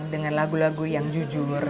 dengan lagu lagu yang jujur